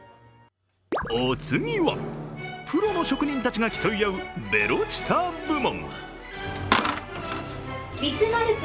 お次は、プロの職人たちが競い合うベロチタ部門。